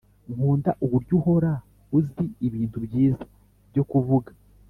nkunda uburyo uhora uzi ibintu byiza byo kuvuga